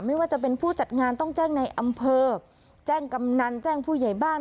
ไม่ว่าจะเป็นผู้จัดงานต้องแจ้งในอำเภอแจ้งกำนันแจ้งผู้ใหญ่บ้าน